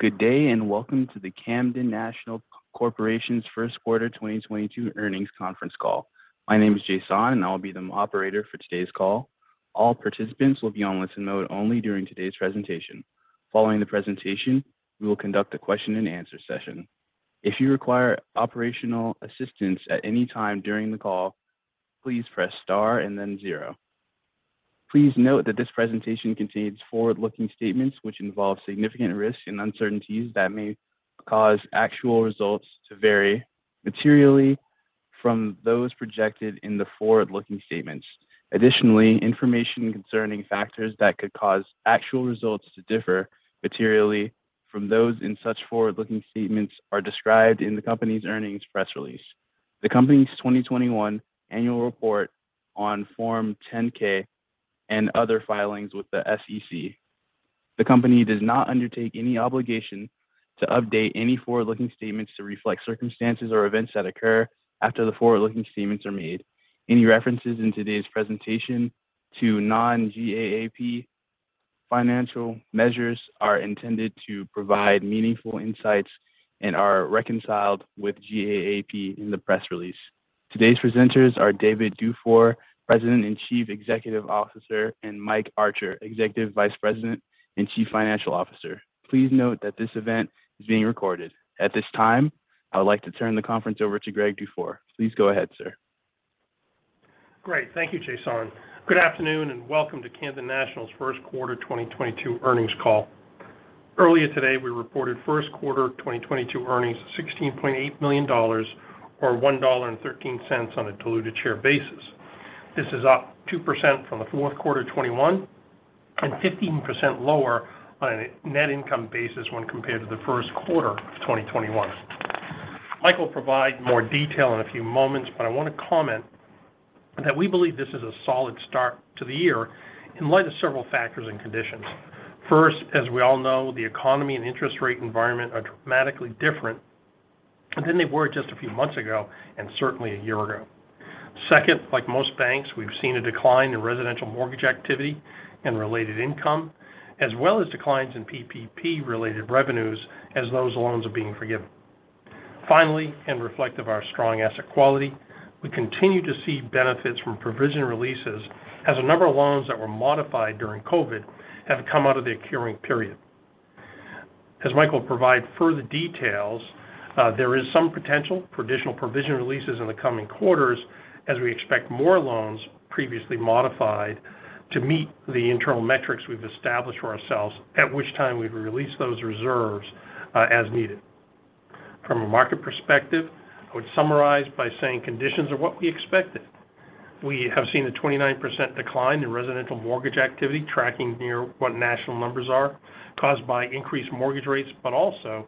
Good day, and welcome to the Camden National Corporation's first quarter 2022 earnings conference call. My name is Jason, and I'll be the operator for today's call. All participants will be on listen-only mode during today's presentation. Following the presentation, we will conduct a question and answer session. If you require operational assistance at any time during the call, please press star and then zero. Please note that this presentation contains forward-looking statements which involve significant risks and uncertainties that may cause actual results to vary materially from those projected in the forward-looking statements. Additionally, information concerning factors that could cause actual results to differ materially from those in such forward-looking statements are described in the company's earnings press release, the company's 2021 annual report on Form 10-K and other filings with the SEC. The company does not undertake any obligation to update any forward-looking statements to reflect circumstances or events that occur after the forward-looking statements are made. Any references in today's presentation to non-GAAP financial measures are intended to provide meaningful insights and are reconciled with GAAP in the press release. Today's presenters are Greg Dufour, President and Chief Executive Officer, and Mike Archer, Executive Vice President and Chief Financial Officer. Please note that this event is being recorded. At this time, I would like to turn the conference over to Greg Dufour. Please go ahead, sir. Great. Thank you, Jason. Good afternoon, and welcome to Camden National's first quarter 2022 earnings call. Earlier today, we reported first quarter 2022 earnings of $16.8 million, or $1.13 on a diluted share basis. This is up 2% from the fourth quarter 2021 and 15% lower on a net income basis when compared to the first quarter of 2021. Mike will provide more detail in a few moments, but I wanna comment that we believe this is a solid start to the year in light of several factors and conditions. First, as we all know, the economy and interest rate environment are dramatically different than they were just a few months ago, and certainly a year ago. Second, like most banks, we've seen a decline in residential mortgage activity and related income, as well as declines in PPP-related revenues as those loans are being forgiven. Finally, and reflective of our strong asset quality, we continue to see benefits from provision releases as a number of loans that were modified during COVID have come out of the accruing period. As Mike will provide further details, there is some potential for additional provision releases in the coming quarters as we expect more loans previously modified to meet the internal metrics we've established for ourselves, at which time we'd release those reserves, as needed. From a market perspective, I would summarize by saying conditions are what we expected. We have seen a 29% decline in residential mortgage activity tracking near what national numbers are caused by increased mortgage rates, but also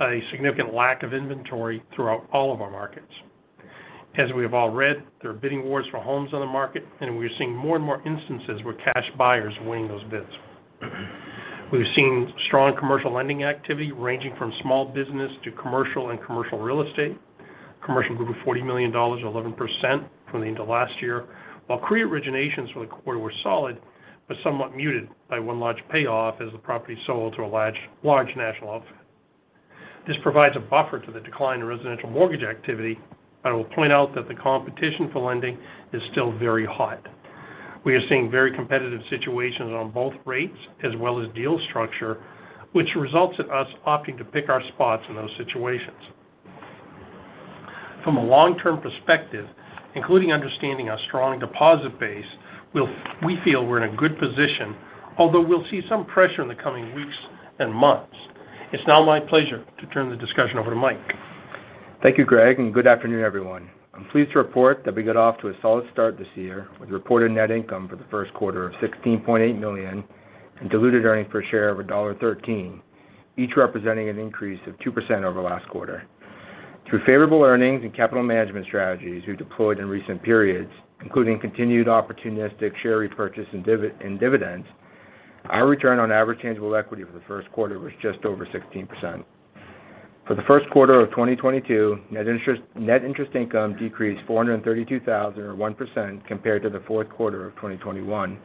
a significant lack of inventory throughout all of our markets. As we have all read, there are bidding wars for homes on the market, and we're seeing more and more instances where cash buyers win those bids. We've seen strong commercial lending activity ranging from small business to commercial and commercial real estate. Commercial grew to $40 million, 11% from the end of last year. While CRE originations for the quarter were solid, but somewhat muted by one large payoff as the property sold to a large national outfit. This provides a buffer to the decline in residential mortgage activity, but I will point out that the competition for lending is still very hot. We are seeing very competitive situations on both rates as well as deal structure, which results in us opting to pick our spots in those situations. From a long-term perspective, including understanding our strong deposit base, we feel we're in a good position, although we'll see some pressure in the coming weeks and months. It's now my pleasure to turn the discussion over to Mike. Thank you, Greg, and good afternoon, everyone. I'm pleased to report that we got off to a solid start this year with reported net income for the first quarter of 16.8 million and diluted earnings per share of 1.13, each representing an increase of 2% over last quarter. Through favorable earnings and capital management strategies we deployed in recent periods, including continued opportunistic share repurchase and dividends, our return on average tangible equity for the first quarter was just over 16%. For the first quarter of 2022, net interest income decreased 432,000 or 1% compared to the fourth quarter of 2021,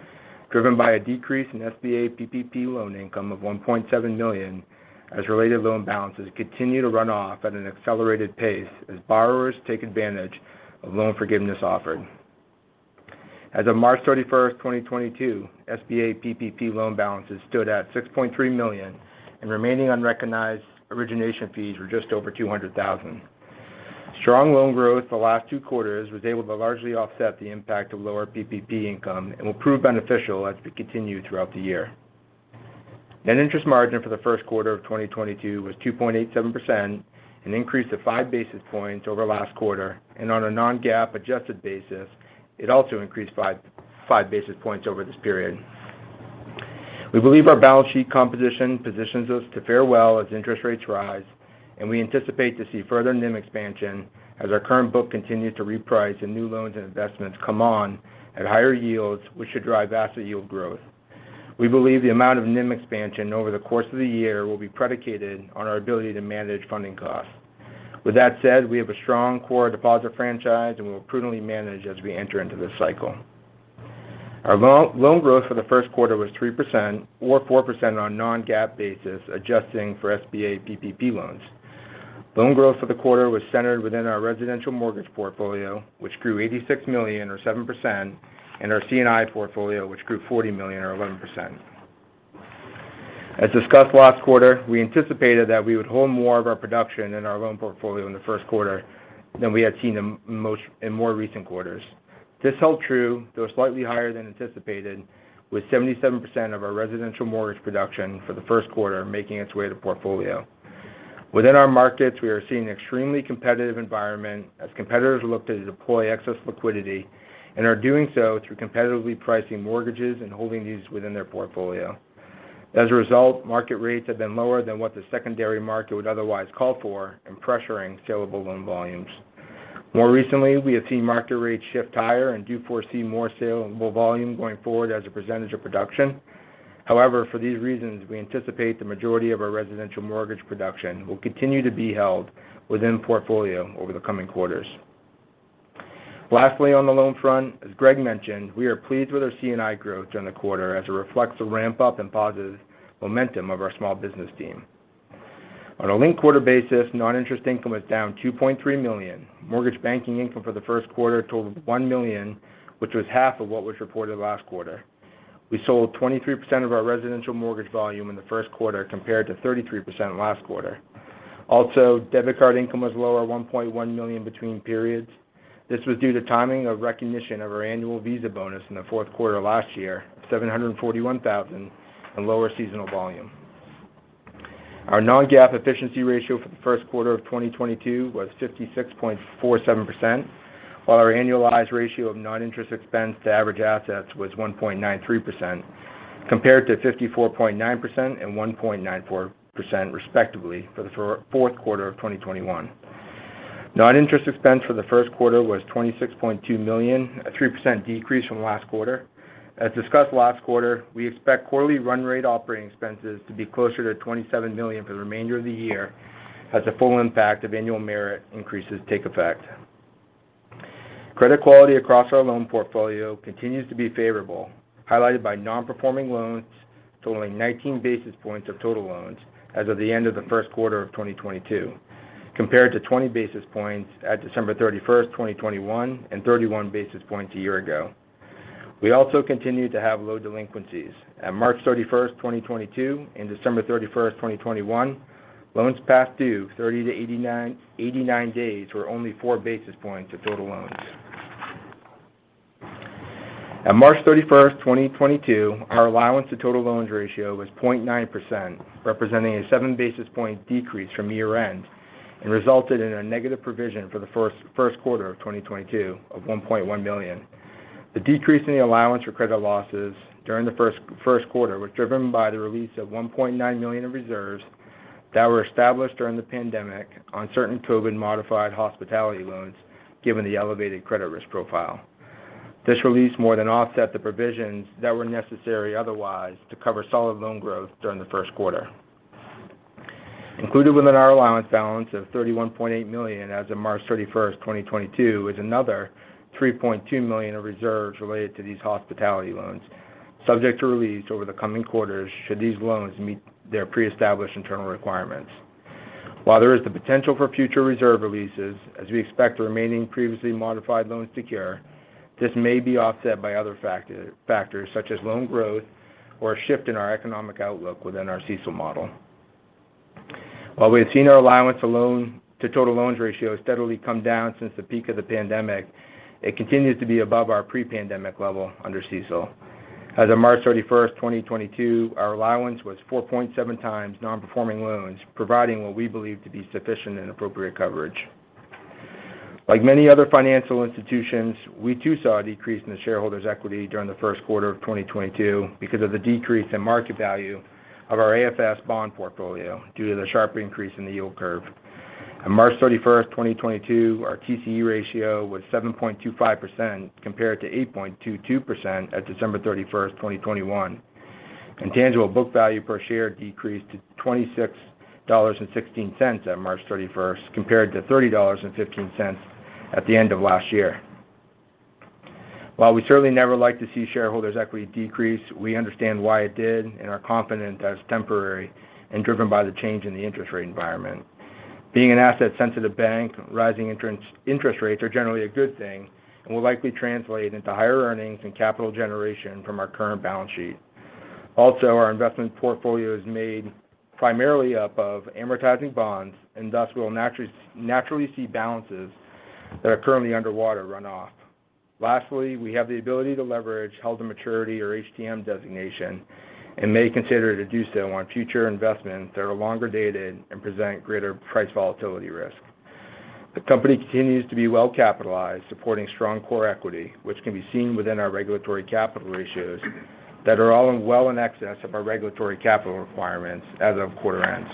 driven by a decrease in SBA PPP loan income of 1.7 million as related loan balances continue to run off at an accelerated pace as borrowers take advantage of loan forgiveness offered. As of March 31, 2022, SBA PPP loan balances stood at 6.3 million, and remaining unrecognized origination fees were just over 200,000. Strong loan growth the last two quarters was able to largely offset the impact of lower PPP income and will prove beneficial as we continue throughout the year. Net interest margin for the first quarter of 2022 was 2.87%, an increase of five basis points over last quarter. On a non-GAAP adjusted basis, it also increased five basis points over this period. We believe our balance sheet composition positions us to fare well as interest rates rise, and we anticipate to see further NIM expansion as our current book continues to reprice and new loans and investments come on at higher yields, which should drive asset yield growth. We believe the amount of NIM expansion over the course of the year will be predicated on our ability to manage funding costs. With that said, we have a strong core deposit franchise and we will prudently manage as we enter into this cycle. Our loan growth for the first quarter was 3% or 4% on non-GAAP basis, adjusting for SBA PPP loans. Loan growth for the quarter was centered within our residential mortgage portfolio, which grew 86 million or 7%, and our C&I portfolio, which grew 40 million or 11%. As discussed last quarter, we anticipated that we would hold more of our production in our loan portfolio in the first quarter than we had seen in more recent quarters. This held true, though slightly higher than anticipated, with 77% of our residential mortgage production for the first quarter making its way to portfolio. Within our markets, we are seeing extremely competitive environment as competitors look to deploy excess liquidity and are doing so through competitively pricing mortgages and holding these within their portfolio. As a result, market rates have been lower than what the secondary market would otherwise call for in pressuring saleable loan volumes. More recently, we have seen market rates shift higher and do foresee more saleable volume going forward as a percentage of production. However, for these reasons, we anticipate the majority of our residential mortgage production will continue to be held within portfolio over the coming quarters. Lastly, on the loan front, as Greg mentioned, we are pleased with our C&I growth during the quarter as it reflects the ramp-up and positive momentum of our small business team. On a linked quarter basis, non-interest income was down 2.3 million. Mortgage banking income for the first quarter totaled one million, which was half of what was reported last quarter. We sold 23% of our residential mortgage volume in the first quarter compared to 33% last quarter. Also, debit card income was lower 1.1 million between periods. This was due to timing of recognition of our annual Visa bonus in the fourth quarter last year, 741,000 in lower seasonal volume. Our non-GAAP efficiency ratio for the first quarter of 2022 was 56.47%, while our annualized ratio of non-interest expense to average assets was 1.93% compared to 54.9% and 1.94% respectively for the fourth quarter of 2021. Non-interest expense for the first quarter was $26.2 million, a 3% decrease from last quarter. As discussed last quarter, we expect quarterly run rate operating expenses to be closer to 27 million for the remainder of the year as the full impact of annual merit increases take effect. Credit quality across our loan portfolio continues to be favorable, highlighted by non-performing loans totaling 19 basis points of total loans as of the end of the first quarter of 2022 compared to 20 basis points at December 31, 2021 and 31 basis points a year ago. We also continue to have low delinquencies. At March 31, 2022 and December 31, 2021, loans past due 30-89 days were only four basis points of total loans. At March 31, 2022, our allowance to total loans ratio was 0.9%, representing a seven basis point decrease from year-end and resulted in a negative provision for the first quarter of 2022 of 1.1 million. The decrease in the allowance for credit losses during the first quarter was driven by the release of 1.9 million in reserves that were established during the pandemic on certain COVID-modified hospitality loans, given the elevated credit risk profile. This release more than offset the provisions that were necessary otherwise to cover solid loan growth during the first quarter. Included within our allowance balance of 31.8 million as of March 31, 2022 is another 3.2 million in reserves related to these hospitality loans subject to release over the coming quarters should these loans meet their pre-established internal requirements. While there is the potential for future reserve releases as we expect the remaining previously modified loans to cure, this may be offset by other factors such as loan growth or a shift in our economic outlook within our CECL model. While we have seen our allowance to total loans ratio steadily come down since the peak of the pandemic, it continues to be above our pre-pandemic level under CECL. As of March 31, 2022, our allowance was 4.7 times non-performing loans, providing what we believe to be sufficient and appropriate coverage. Like many other financial institutions, we too saw a decrease in the shareholders' equity during the first quarter of 2022 because of the decrease in market value of our AFS bond portfolio due to the sharp increase in the yield curve. On March 31, 2022, our TCE ratio was 7.25% compared to 8.22% at December 31, 2021. Tangible book value per share decreased to 26.16 at March 31 compared to 30.15 at the end of last year. While we certainly never like to see shareholders' equity decrease, we understand why it did and are confident that it's temporary and driven by the change in the interest rate environment. Being an asset-sensitive bank, rising interest rates are generally a good thing and will likely translate into higher earnings and capital generation from our current balance sheet. Also, our investment portfolio is made primarily up of amortizing bonds and thus we will naturally see balances that are currently underwater run off. Lastly, we have the ability to leverage held-to-maturity or HTM designation and may consider to do so on future investments that are longer dated and present greater price volatility risk. The company continues to be well capitalized, supporting strong core equity, which can be seen within our regulatory capital ratios that are all in well in excess of our regulatory capital requirements as of quarter end.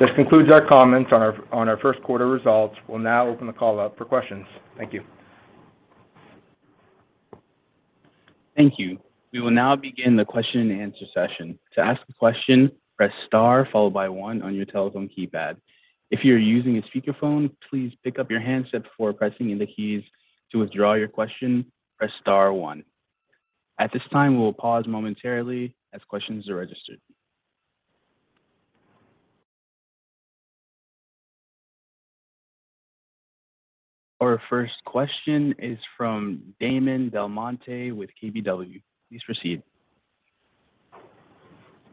This concludes our comments on our first quarter results. We'll now open the call up for questions. Thank you. Thank you. We will now begin the question and answer session. To ask a question, press star followed by one on your telephone keypad. If you're using a speakerphone, please pick up your handset before pressing in the keys. To withdraw your question, press star one. At this time, we will pause momentarily as questions are registered. Our first question is from Damon DelMonte with KBW. Please proceed.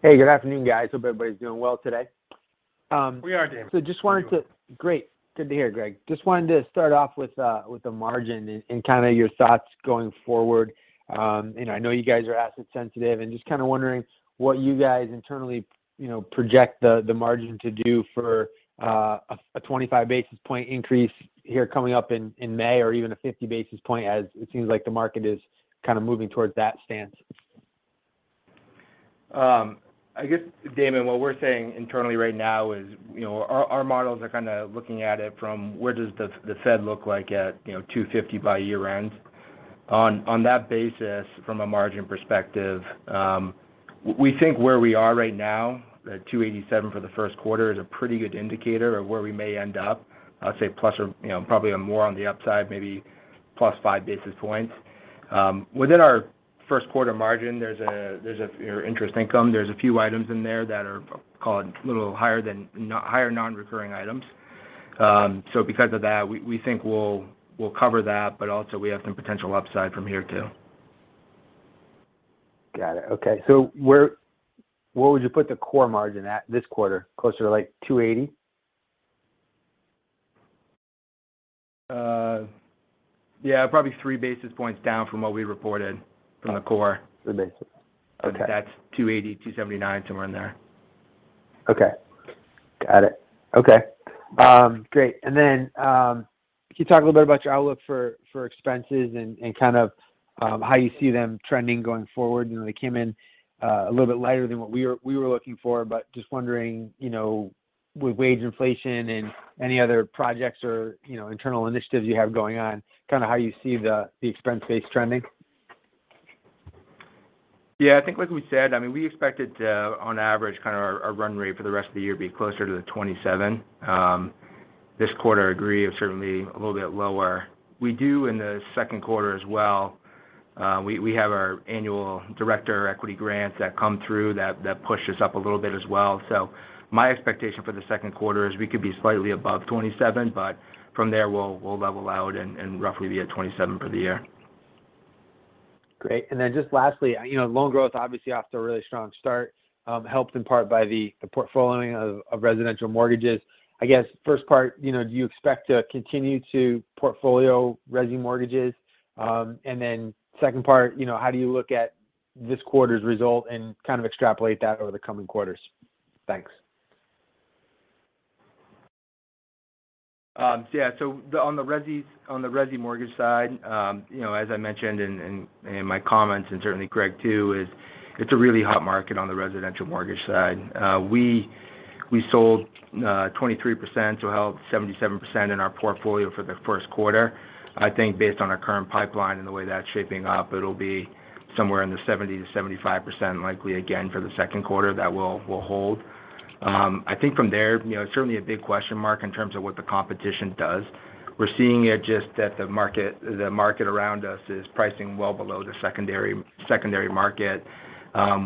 Hey, good afternoon, guys. Hope everybody's doing well today. We are, Damon. Great. Good to hear, Greg. Just wanted to start off with the margin and kind of your thoughts going forward. I know you guys are asset sensitive and just kind of wondering what you guys internally you know project the margin to do for a 25 basis point increase here coming up in May or even a 50 basis point as it seems like the market is kind of moving towards that stance. I guess, Damon, what we're saying internally right now is, you know, our models are kind of looking at it from where does the Fed look like at 2.50% by year-end. On that basis from a margin perspective, we think where we are right now at 2.87% for the first quarter is a pretty good indicator of where we may end up. I'd say plus or, you know, probably more on the upside, maybe plus 5 basis points. Within our first quarter margin, there's our interest income. There's a few items in there that are a little higher, non-recurring items. Because of that, we think we'll cover that, but also we have some potential upside from here too. Got it. Okay. Where would you put the core margin at this quarter? Closer to, like, 2.80%? Yeah, probably 3 basis points down from what we reported from the core. The basis. Okay. That's 2.80, 2.79, somewhere in there. Can you talk a little bit about your outlook for expenses and kind of how you see them trending going forward? You know, they came in a little bit lighter than what we were looking for, but just wondering, you know, with wage inflation and any other projects or, you know, internal initiatives you have going on, kind of how you see the expense base trending. Yeah. I think like we said, I mean, we expected, on average kind of our run rate for the rest of the year be closer to the 27%. This quarter, I agree, is certainly a little bit lower. We do in the second quarter as well. We have our annual director equity grants that come through that push us up a little bit as well. My expectation for the second quarter is we could be slightly above 27%, but from there we'll level out and roughly be at 27% for the year. Great. Then just lastly, you know, loan growth obviously off to a really strong start, helped in part by the portfolio of residential mortgages. I guess first part, you know, do you expect to continue to portfolio resi mortgages? Then second part, you know, how do you look at this quarter's result and kind of extrapolate that over the coming quarters? Thanks. Yeah. The, on the resi mortgage side, you know, as I mentioned in my comments and certainly Greg too, it's a really hot market on the residential mortgage side. We sold 23%, so held 77% in our portfolio for the first quarter. I think based on our current pipeline and the way that's shaping up, it'll be somewhere in the 70%-75% likely again for the second quarter that we'll hold. I think from there, you know, certainly a big question mark in terms of what the competition does. We're seeing it just that the market around us is pricing well below the secondary market.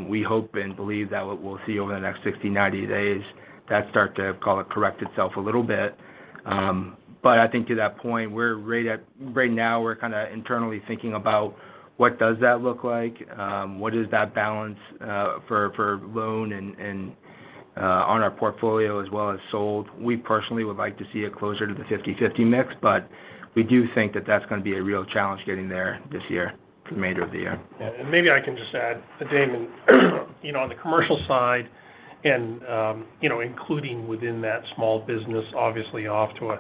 We hope and believe that what we'll see over the next 60, 90 days that starts to kinda correct itself a little bit. But I think to that point, we're right now kind of internally thinking about what does that look like? What does that balance for loan and on our portfolio as well as sold. We personally would like to see it closer to the 50/50 mix, but we do think that that's going to be a real challenge getting there this year for the remainder of the year. Yeah. Maybe I can just add, Damon, you know, on the commercial side and, you know, including within that small business, obviously off to a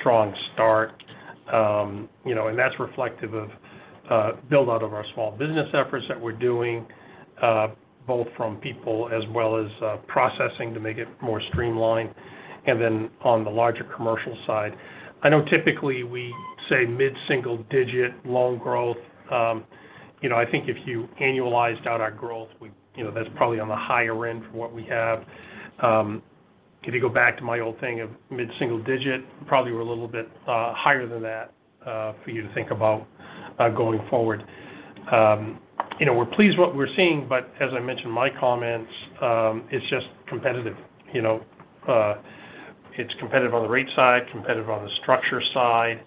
strong start. You know, and that's reflective of build out of our small business efforts that we're doing both from people as well as processing to make it more streamlined. On the larger commercial side, I know typically we say mid-single-digit loan growth. You know, I think if you annualized out our growth, we you know, that's probably on the higher end for what we have. If you go back to my old thing of mid-single-digit, probably we're a little bit higher than that for you to think about going forward. You know, we're pleased what we're seeing, but as I mentioned in my comments, it's just competitive. You know, it's competitive on the rate side, competitive on the structure side.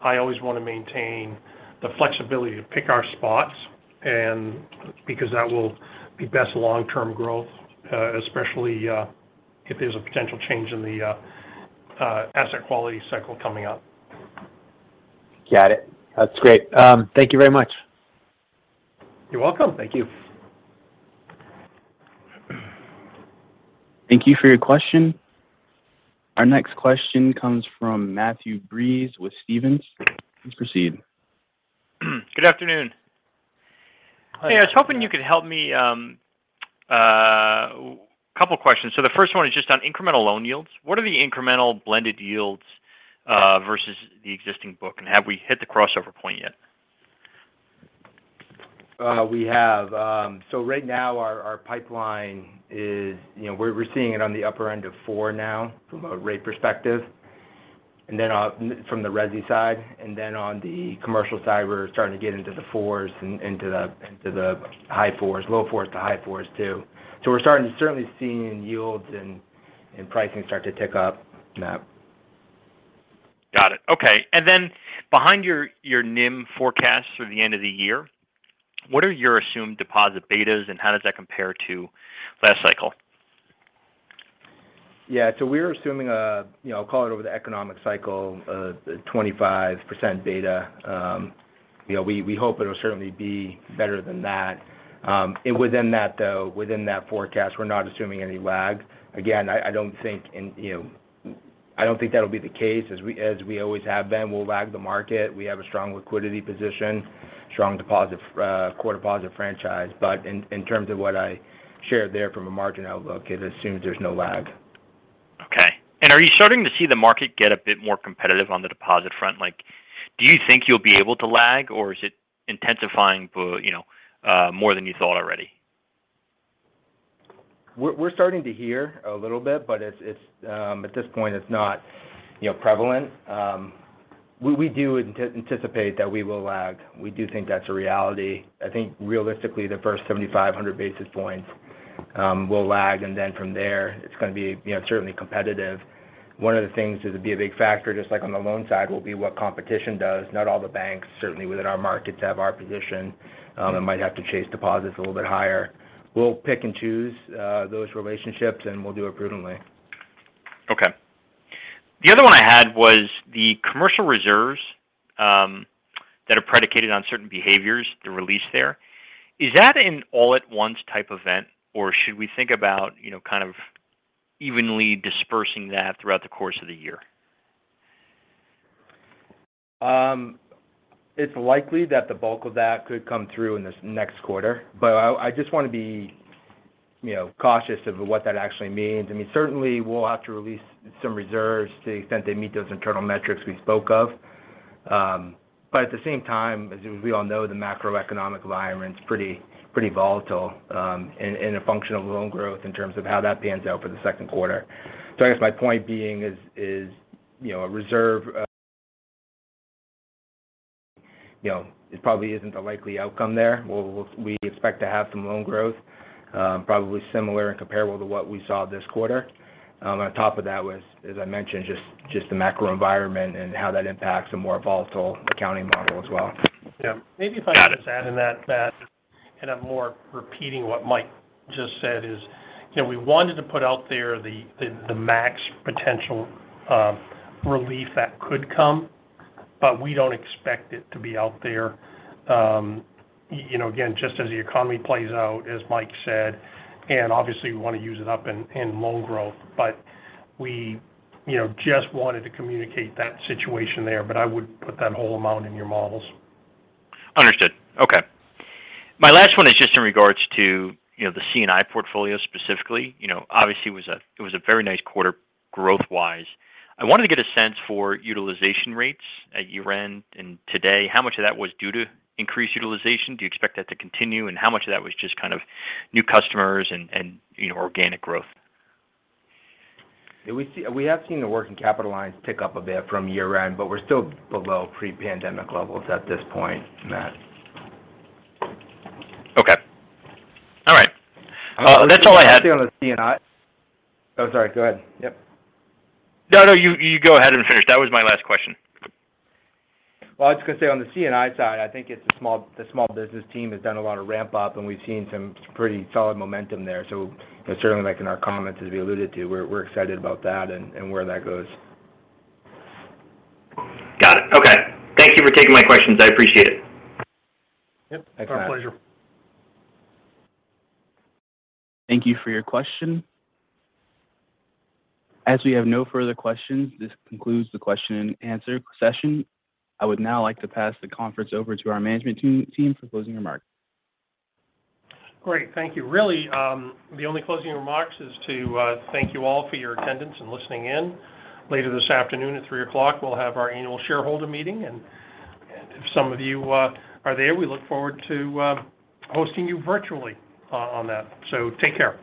I always want to maintain the flexibility to pick our spots and because that will be best long-term growth, especially if there's a potential change in the asset quality cycle coming up. Got it. That's great. Thank you very much. You're welcome. Thank you. Thank you for your question. Our next question comes from Matthew Breese with Stephens. Please proceed. Good afternoon. Hey, I was hoping you could help me, a couple of questions. The first one is just on incremental loan yields. What are the incremental blended yields versus the existing book? Have we hit the crossover point yet? Right now our pipeline is, you know, we're seeing it on the upper end of 4% now from a rate perspective, and then from the resi side. On the commercial side, we're starting to get into the 4s, into the high 4s, low 4s to high 4s too. We're starting to certainly seeing yields and pricing start to tick up, Matt. Got it. Okay. Behind your NIM forecasts for the end of the year, what are your assumed deposit betas and how does that compare to last cycle? Yeah. We're assuming a, you know, call it over the economic cycle, 25% beta. You know, we hope it'll certainly be better than that. Within that though, within that forecast, we're not assuming any lag. Again, I don't think that'll be the case as we always have been. We'll lag the market. We have a strong liquidity position, strong deposit, core deposit franchise. In terms of what I shared there from a margin outlook, it assumes there's no lag. Okay. Are you starting to see the market get a bit more competitive on the deposit front? Like, do you think you'll be able to lag or is it intensifying for, you know, more than you thought already? We're starting to hear a little bit, but it's at this point, it's not, you know, prevalent. We do anticipate that we will lag. We do think that's a reality. I think realistically the first 75-100 basis points will lag, and then from there it's going to be, you know, certainly competitive. One of the things that would be a big factor, just like on the loan side, will be what competition does. Not all the banks certainly within our markets have our position, and might have to chase deposits a little bit higher. We'll pick and choose those relationships and we'll do it prudently. Okay. The other one I had was the commercial reserves, that are predicated on certain behaviors, the release there. Is that an all at once type event or should we think about, you know, kind of evenly dispersing that throughout the course of the year? It's likely that the bulk of that could come through in this next quarter. I just want to be, you know, cautious of what that actually means. I mean, certainly we'll have to release some reserves to the extent they meet those internal metrics we spoke of. At the same time, as we all know, the macroeconomic environment's pretty volatile, and a function of loan growth in terms of how that pans out for the second quarter. I guess my point being is, you know, a reserve, you know, it probably isn't a likely outcome there. We expect to have some loan growth, probably similar and comparable to what we saw this quarter. On top of that was, as I mentioned, just the macro environment and how that impacts a more volatile accounting model as well. Yeah. Maybe if I could just add in that, Matt, and I'm more repeating what Mike just said is, you know, we wanted to put out there the max potential relief that could come. We don't expect it to be out there, you know, again, just as the economy plays out, as Mike said, and obviously we want to use it up in loan growth. We, you know, just wanted to communicate that situation there, but I wouldn't put that whole amount in your models. Understood. Okay. My last one is just in regards to, you know, the C&I portfolio specifically. You know, obviously it was a very nice quarter growth-wise. I wanted to get a sense for utilization rates at year-end and today. How much of that was due to increased utilization? Do you expect that to continue? And how much of that was just kind of new customers and, you know, organic growth? Yeah. We have seen the working capital lines tick up a bit from year-end, but we're still below pre-pandemic levels at this point, Matt. Okay. All right. That's all I had. Oh, sorry, go ahead. Yep. No. You go ahead and finish. That was my last question. Well, I was going to say on the C&I side, I think it's the small business team has done a lot of ramp up, and we've seen some pretty solid momentum there. Certainly making our comments, as we alluded to, we're excited about that and where that goes. Got it. Okay. Thank you for taking my questions. I appreciate it. Yep. Our pleasure. Thank you for your question. As we have no further questions, this concludes the question and answer session. I would now like to pass the conference over to our management team for closing remarks. Great. Thank you. Really, the only closing remarks is to thank you all for your attendance and listening in. Later this afternoon at 3:00 P.M., we'll have our annual shareholder meeting. If some of you are there, we look forward to hosting you virtually on that. Take care.